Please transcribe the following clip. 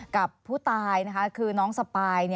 กับผู้ตายนะคะคือน้องสปาย